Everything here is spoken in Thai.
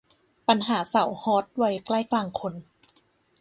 ปัญหาสาวฮอต วัยใกล้กลางคน